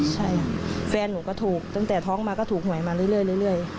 ใช่ค่ะแฟนหนูก็ถูกตั้งแต่ท้องมาก็ถูกหวยมาเรื่อย